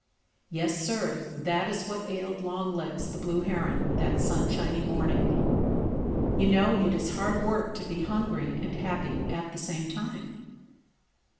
Yes, Sir, that is what ailed Longlegs the Blue Heron that sunshiny morning. You know it is hard work to be hungry and happy at the same time.